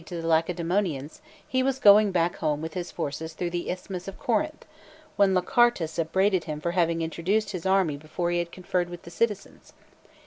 to the Lacedaemo nians, he was going back home with his forces through the Isthmus of Corinth, when Lachartus upbraided him for having introduced his army before he had conferred with the citizens.